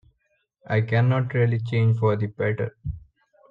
I cannot really change for the better.